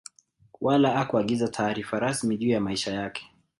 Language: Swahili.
Wala hakuagiza taarifa rasmi juu ya maisha yake